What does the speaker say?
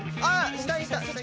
下にいた。